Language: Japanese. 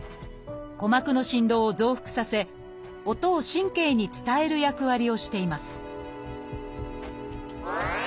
鼓膜の振動を増幅させ音を神経に伝える役割をしています